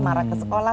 marah ke sekolah